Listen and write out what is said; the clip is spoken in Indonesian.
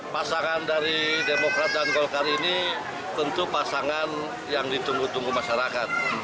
pasangan dari demokrat dan golkar ini tentu pasangan yang ditunggu tunggu masyarakat